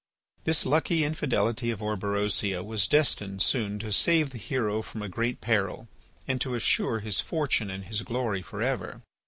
This lucky infidelity of Orberosia was destined soon to save the hero from a great peril and to assure his fortune and his glory for ever.